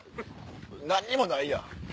何にもないやん。